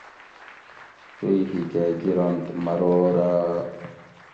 توُئ ہیکاۤ گِرنت مروراۤ